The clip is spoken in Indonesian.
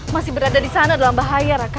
masih berada di sana dalam bahaya raka